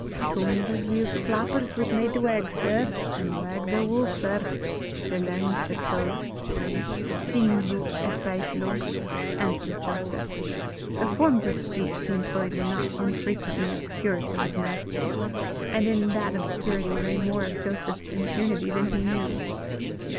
"Tongues as weel 's clappers was made to wag, sir; an, wag they wull, sir, sae lang 's the tow (string) hings oot at baith lugs," answered Joseph. The forms of speech he employed were not unfrequently obscure to his master, and in that obscurity lay more of Joseph's impunity than he knew.